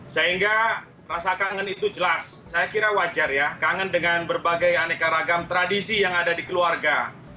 sehingga rasa kangen itu jelas saya kira wajar ya kangen dengan berbagai aneka ragam tradisi yang ada di keluarga